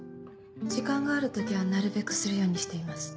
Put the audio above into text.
時間がある時はなるべくするようにしています。